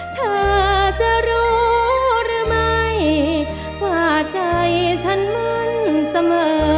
เธอจะรู้หรือไม่ว่าใจฉันมั่นเสมอ